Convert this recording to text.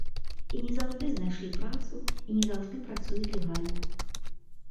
І не заўжды знайшлі працу, і не заўжды працуюць легальна.